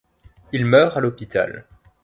Il meurt à l'hôpital.